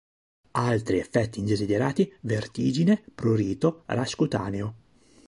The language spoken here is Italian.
Altri effetti indesiderati: vertigine, prurito, rash cutaneo.